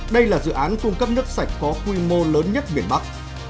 đây là dự án cung cấp nước sạch có quy mô lớn nhất miền bắc